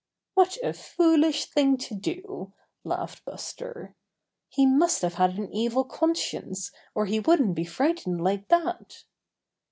'What a foolish thing to do," laughed Buster. "He must have had an evil con science or he wouldn't be frightened like that."